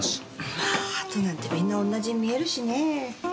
まあ鳩なんてみんな同じに見えるしねぇ。